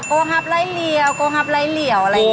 โกฮับไล่เหลวโกฮับไล่เหลวอะไรอย่างนี้ค่ะ